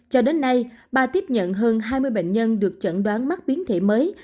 cho đến nay ba tiếp nhận hơn hai mươi bệnh nhân được chẩn đoán mắc biến thể mới